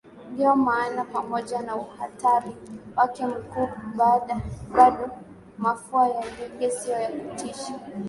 Ndio maana pamoja na uhatari wake mkuu bado mafua ya ndege sio ya kutisha